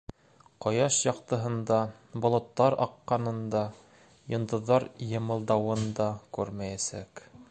Ҡояш яҡтыһын да, болоттар аҡҡанын да, йондоҙҙар йымылдауын да күрмәйәсәк.